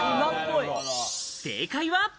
正解は。